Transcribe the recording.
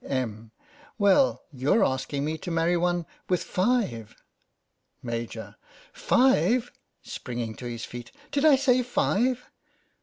Em. : Well, you're asking me to marry one with five. Maj. : Five ! (Springing to his feet) Did I say five